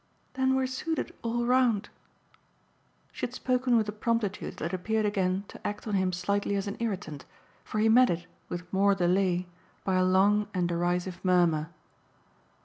"Then we're suited all round." She had spoken with a promptitude that appeared again to act on him slightly as an irritant, for he met it with more delay by a long and derisive murmur.